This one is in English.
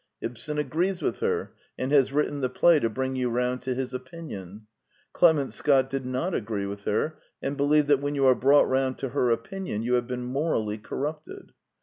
Ibsen agrees with her, and has written the play to bring you round to his opinion. Clement Scott did not agree with her, and believed that when you are brought round to her opinion you have been morally corrupted.